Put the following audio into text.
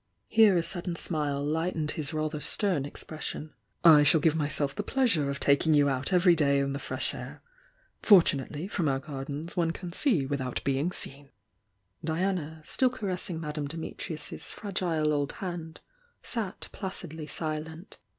Here a sud den smile lightened his rather stem expression. "I shall give myself the pleasure of taking you out every day in the fresh air, — fortunately, from our gardens one can see without being seen." Diana, siill caressing Madame Dimitrius's fragile old hand, sat placidly silent.